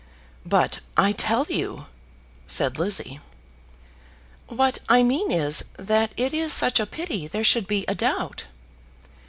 "But I tell you," said Lizzie. "What I mean is, that it is such a pity there should be a doubt."